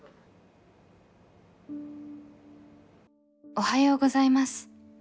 「おはようございます」。